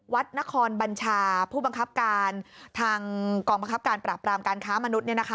วัดนครบัญชาผู้บังคับการทางกองบังคับการปราบรามการค้ามนุษย์